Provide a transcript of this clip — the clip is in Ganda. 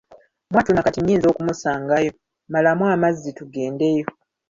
Mwattu na kati nnyinza okumusanga yo, malamu amazzi tugendeyo."